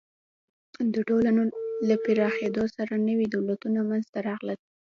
د ټولنو له پراخېدو سره نوي دولتونه منځ ته راغلل.